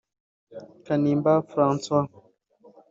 Kanimba Francois